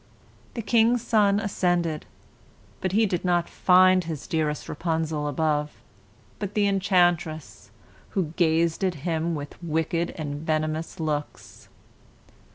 The King's son ascended, but he did not find his dearest Rapunzel above, but the enchantress, who gazed at him with wicked and venomous looks.